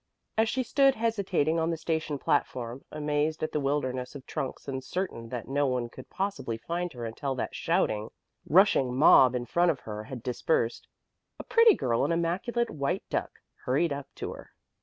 As she stood hesitating on the station platform, amazed at the wilderness of trunks and certain that no one could possibly find her until that shouting, rushing mob in front of her had dispersed, a pretty girl in immaculate white duck hurried up to her.